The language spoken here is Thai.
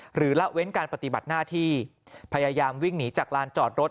ละเว้นการปฏิบัติหน้าที่พยายามวิ่งหนีจากลานจอดรถ